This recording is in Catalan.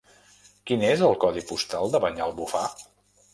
Quin és el codi postal de Banyalbufar?